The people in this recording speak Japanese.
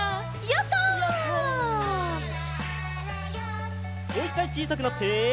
もう１かいちいさくなって。